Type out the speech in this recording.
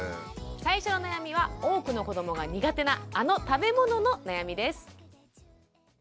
最初の悩みは多くの子どもが苦手なあの食べ物の悩みです。